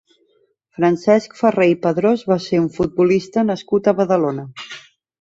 Francesc Ferrer i Padrós va ser un futbolista nascut a Badalona.